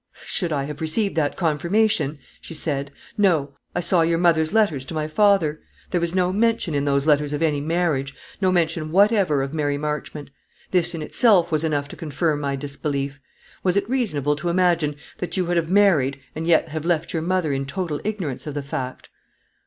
"Should I have received that confirmation?" she said. "No. I saw your mother's letters to my father. There was no mention in those letters of any marriage; no mention whatever of Mary Marchmont. This in itself was enough to confirm my disbelief. Was it reasonable to imagine that you would have married, and yet have left your mother in total ignorance of the fact?"